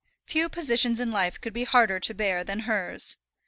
Few positions in life could be harder to bear than hers!